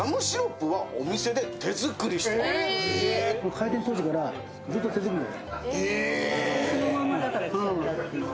開店当時からずっと手作りなんです。